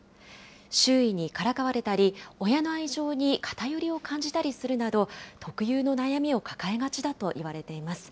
周囲にからかわれたり、親の愛情に偏りを感じたりするなど、特有の悩みを抱えがちだといわれています。